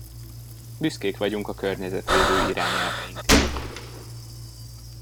Büszkék vagyunk a környezetvédő irányelveinkre.